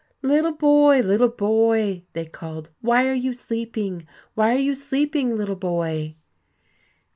"Little boy! little boy!" they called, "why are you sleeping? Why are you sleeping, little boy?"